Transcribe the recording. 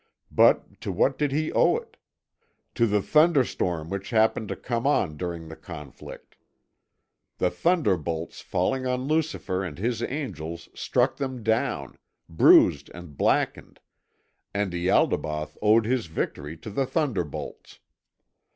But to what did he owe it? To the thunderstorm which happened to come on during the conflict. The thunderbolts falling on Lucifer and his angels struck them down, bruised and blackened, and Ialdabaoth owed his victory to the thunderbolts.